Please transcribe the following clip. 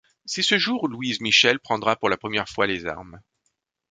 C'est ce jour où Louise Michel prendra pour la première fois les armes.